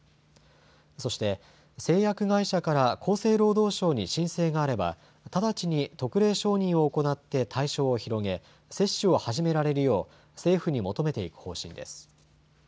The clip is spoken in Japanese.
そして、製薬会社から厚生労働省に申請があれば、直ちに特例承認を行って対象を広げ、接種を始められるよう、政府に求めていく方針です。